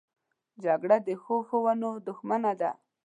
جګړه د ښو ښوونو دښمنه ده